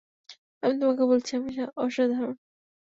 আমি তোমাকে বলেছি, আমি অসাধারণ!